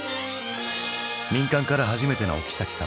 「民間から初めてのおきさき様」